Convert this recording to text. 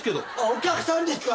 お客さんですか。